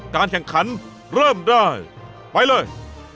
การแข่งขันเริ่มได้ไปเลย